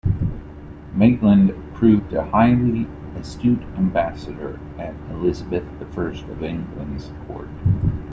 Maitland proved a highly astute ambassador at Elizabeth the First of England's court.